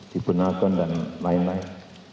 di bunalcon dan lain lain